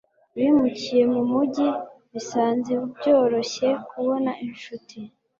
bimukiye mu mujyi, basanze byoroshye kubona inshuti